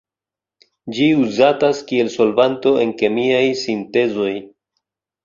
Ĝi uzatas kiel solvanto en kemiaj sintezoj.